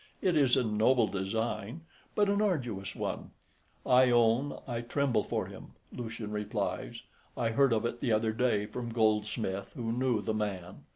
It is a noble design, but an arduous one; I own I tremble for him." Lucian replies, "I heard of it the other day from Goldsmith, who knew the man.